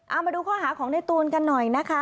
เอามาดูข้อหาของในตูนกันหน่อยนะคะ